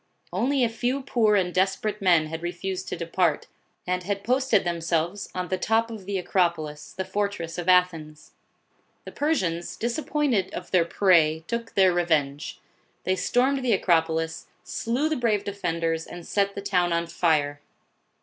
Only a few poor and desperate men had refused to depart, and had posted themselves on the top of the Acro polis, the fortress of Athens. The Persians, dis appointed of their prey, took their revenge. They stormed the Acropolis, slew the brave defenders, and set the town on fire.